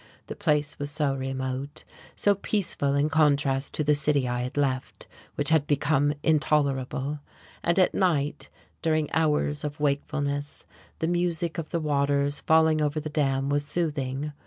The place was so remote, so peaceful in contrast to the city I had left, which had become intolerable. And at night, during hours of wakefulness, the music of the waters falling over the dam was soothing.